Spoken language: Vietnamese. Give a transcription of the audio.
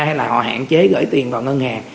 hay là họ hạn chế gửi tiền vào ngân hàng